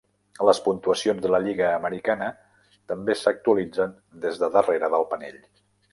Les puntuacions de la Lliga americana també s'actualitzen des de darrere del panell.